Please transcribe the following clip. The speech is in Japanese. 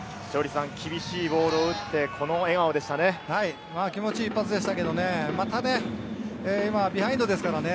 厳しいボールを打って、この笑顔でしたね。